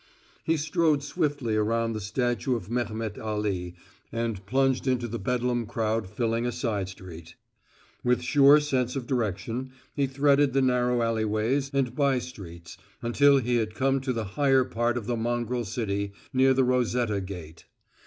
He strode swiftly around the statue of Mehemet Ali and plunged into the bedlam crowd filling a side street. With sure sense of direction, he threaded the narrow alleyways and by streets until he had come to the higher part of the mongrel city, near the Rosetta Gate.